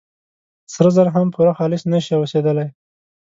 سره زر هم پوره خالص نه شي اوسېدلي.